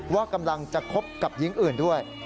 ว่ากำลังจะคบกับหญิงอื่นด้วย